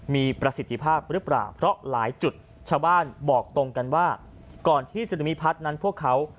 มีประสิทธิภาพหรือเปล่าเพราะหลายจุดชาวบ้านบอกตรงกันว่าก่อนที่ซึนามิพัฒน์นั้นพวกเขา